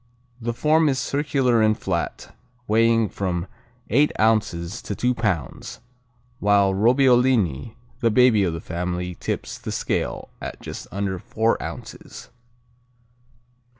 The form is circular and flat, weighing from eight ounces to two pounds, while Robbiolini, the baby of the family tips the scale at just under four ounces.